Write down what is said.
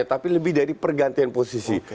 tapi lebih dari pergantian posisi